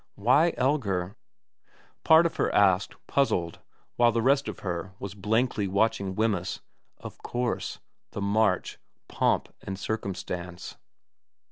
Why Elgar ? part of her asked, puzzled, while the rest of her was blankly watching Wemyss. Of course : the march : Pomp and Circumstance.